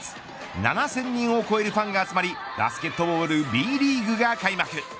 ７０００人を超えるファンが集まりバスケットボールＢリーグが開幕。